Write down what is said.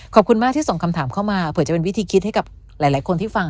ขอบคุณมากที่ส่งคำถามเข้ามาเผื่อจะเป็นวิธีคิดให้กับหลายคนที่ฟัง